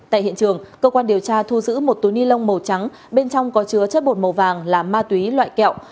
tại hiện trường cơ quan điều tra thu giữ một túi ni lông màu trắng bên trong có chứa chất bột màu vàng là ma túy loại kẹo